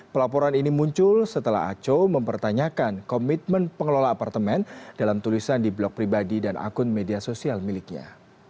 pelaporan ini muncul setelah aco mempertanyakan komitmen pengelola apartemen dalam tulisan di blog pribadi dan akun media sosial miliknya